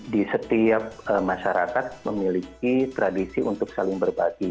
di setiap masyarakat memiliki tradisi untuk saling berbagi